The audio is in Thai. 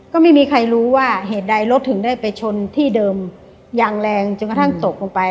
ก็ไม่มีใครรู้ว่าเหตุใดรถถึงได้ไปชนที่เดิมอย่างแรงจนกระทั่งตกลงไป